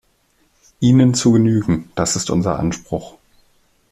Ihnen zu genügen, das ist unser Anspruch.